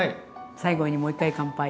最後にもう一回乾杯。